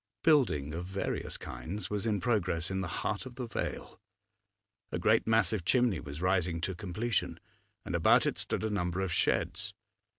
Building of various kinds was in progress in the heart of the vale; a great massive chimney was rising to completion, and about it stood a number of sheds.